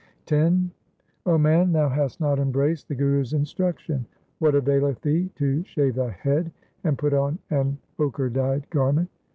X O man, thou hast not embraced the Guru's instruction, What availeth thee to shave thy head, and put on an ochre dyed garment